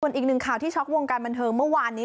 ส่วนอีกหนึ่งข่าวที่ช็อกวงการบันเทิงเมื่อวานนี้